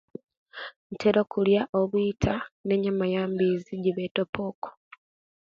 Ntera okuliya obwita ne yama eyambizi ejibeta poko